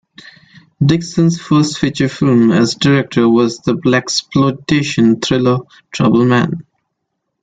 Dixon's first feature film as director was the blaxploitation thriller "Trouble Man".